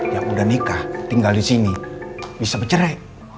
yang udah nikah tinggal disini bisa bercerai